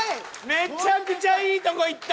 めちゃくちゃいいとこいった！